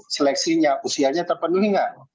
seleksinya usianya terpenuhi nggak